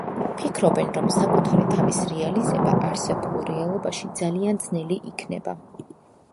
ფიქრობენ, რომ საკუთარი თავის რეალიზება არსებულ რეალობაში ძალიან ძნელი იქნება.